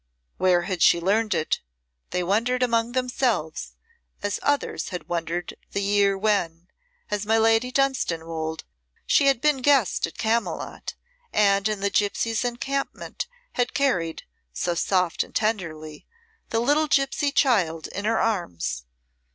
Where had she learned it, they wondered among themselves, as others had wondered the year when, as my Lady Dunstanwolde, she had been guest at Camylott, and in the gipsy's encampment had carried, so soft and tenderly, the little gipsy child in her arms.